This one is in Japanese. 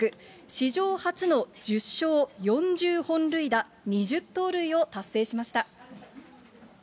史上初の１０勝４０本塁打２０盗塁を達成しました。